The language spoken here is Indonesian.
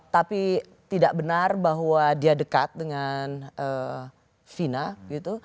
tapi tidak benar bahwa dia dekat dengan vina gitu